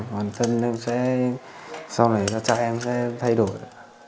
hoàn thân em sẽ sau này cha em sẽ thay đổi